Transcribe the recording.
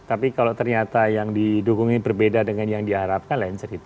tapi kalau ternyata yang didukung ini berbeda dengan yang diharapkan lain cerita